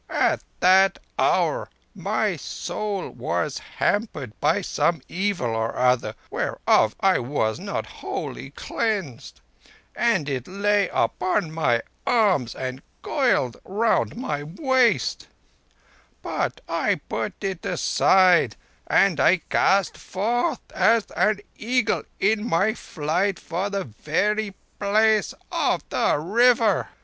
At that hour my Soul was hampered by some evil or other whereof I was not wholly cleansed, and it lay upon my arms and coiled round my waist; but I put it aside, and I cast forth as an eagle in my flight for the very place of the River.